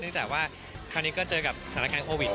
คราวนี้ก็เจอกับศาลการณ์โควิด